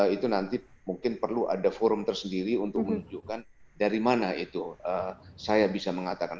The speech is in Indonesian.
itu nanti mungkin perlu ada forum tersendiri untuk menunjukkan dari mana itu saya bisa mengatakan